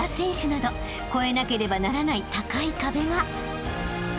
［越えなければならない高い壁が］